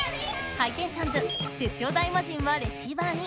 ハイテンションズテッショウ大魔神はレシーバーに。